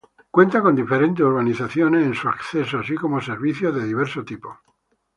Cuenta con diferentes urbanizaciones en su acceso, así como servicios de diverso tipo.